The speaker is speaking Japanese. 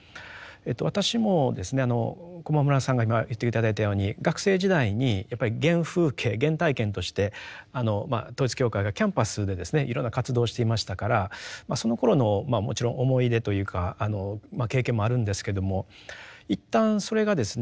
私もですね駒村さんが今言って頂いたように学生時代にやっぱり原風景原体験として統一教会がキャンパスでですねいろんな活動をしていましたからそのころのまあもちろん思い出というか経験もあるんですけども一旦それがですね